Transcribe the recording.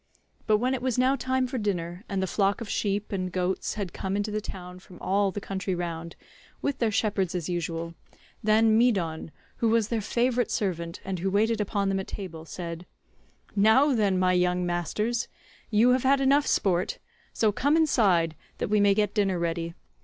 But when it was now time for dinner, and the flock of sheep and goats had come into the town from all the country round, 140 with their shepherds as usual, then Medon, who was their favourite servant, and who waited upon them at table, said, "Now then, my young masters, you have had enough sport, so come inside that we may get dinner ready.